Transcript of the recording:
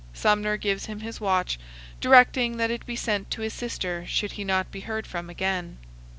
Sumner gives him his watch, directing that it be sent to his sister should he not be heard from again.